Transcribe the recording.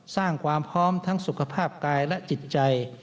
สร้างความพร้อมทั้งสุขภาพกายและจิตใจ